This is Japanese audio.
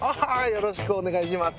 よろしくお願いします。